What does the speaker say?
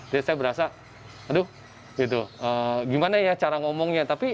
jadi saya berasa aduh gimana ya cara ngomongnya